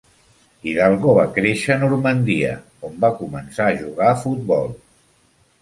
Hidalgo va créixer a Normandia, on va començar a jugar a futbol.